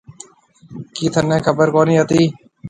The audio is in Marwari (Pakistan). ڪِي ٿنَي خبر ڪونھيَََ ھتِي۔